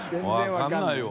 分からないよ。